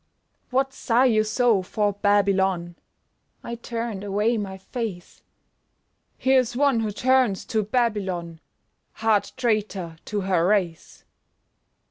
"What! Sigh you so for Babylon?" (I turned away my face) "Here's one who turns to Babylon, Heart traitor to her race!"